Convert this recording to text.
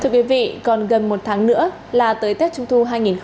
thưa quý vị còn gần một tháng nữa là tới tết trung thu hai nghìn hai mươi